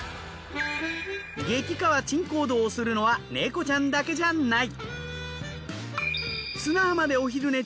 激かわ珍行動をするのはネコちゃんだけじゃない。